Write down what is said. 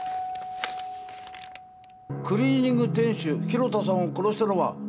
クリーニング店主広田さんを殺したのは私です。